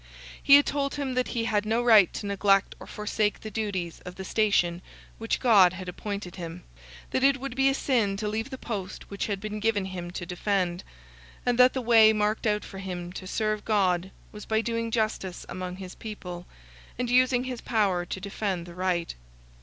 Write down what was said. He had told him that he had no right to neglect or forsake the duties of the station which God had appointed him; that it would be a sin to leave the post which had been given him to defend; and that the way marked out for him to serve God was by doing justice among his people, and using his power to defend the right.